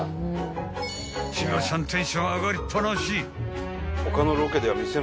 ［千葉ちゃんテンション上がりっ放し］